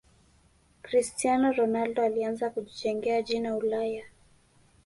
cristiano ronaldo alianza kujijengea jina ulaya